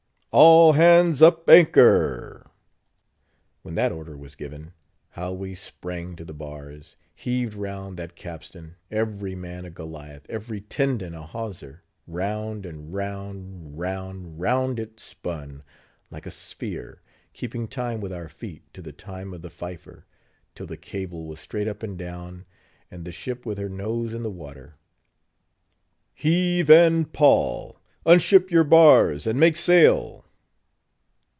"All hands up anchor!" When that order was given, how we sprang to the bars, and heaved round that capstan; every man a Goliath, every tendon a hawser!—round and round—round, round it spun like a sphere, keeping time with our feet to the time of the fifer, till the cable was straight up and down, and the ship with her nose in the water. "Heave and pall! unship your bars, and make sail!"